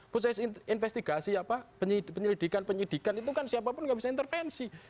proses investigasi apa penyelidikan penyidikan itu kan siapapun nggak bisa intervensi